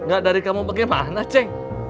gak dari kamu bagaimana ceng